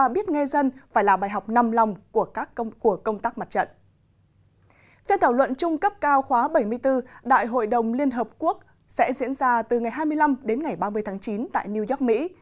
phiên thảo luận trung cấp cao khóa bảy mươi bốn đại hội đồng liên hợp quốc sẽ diễn ra từ ngày hai mươi năm đến ngày ba mươi tháng chín tại new york mỹ